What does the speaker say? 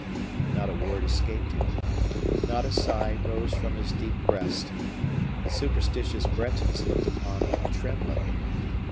Not a word escaped him, not a sigh rose from his deep breast. The superstitious Bretons looked upon him, trembling.